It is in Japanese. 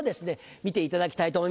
見ていただきたいと思います。